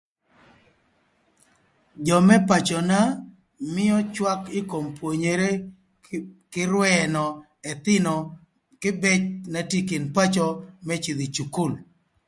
Jö më pacöna mïö cwak ï kom pwonyere kï rwëënö ëthïnö kïbëc na tye ï kin pacö më cïdhö ï cukul.